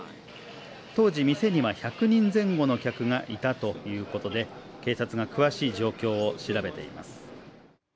当時、店には１００人前後の客がいたということで、警察が詳しい状況を調べています。